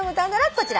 こちら。